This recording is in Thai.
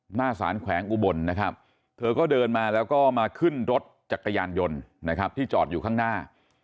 หน้าสารแขวงอุบลนะครับเธอก็เดินมาแล้วก็มาขึ้นรถจักรยานยนต์นะครับที่จอดอยู่ข้างหน้า